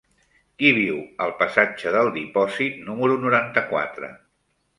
Qui viu al passatge del Dipòsit número noranta-quatre?